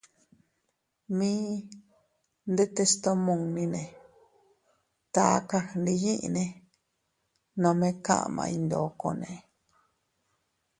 Mi ndetes tomunnine taka gndiyinne nome kaʼmay ndokone.